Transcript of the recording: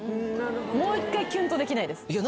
もう一回キュンとできないです。